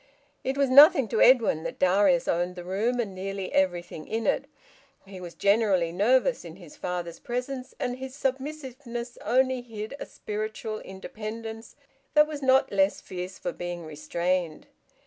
It was nothing to Edwin that Darius owned the room and nearly everything in it. He was generally nervous in his father's presence, and his submissiveness only hid a spiritual independence that was not less fierce for being restrained.